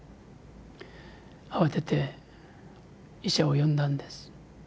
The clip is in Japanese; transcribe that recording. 慌てて医者を呼んだんです。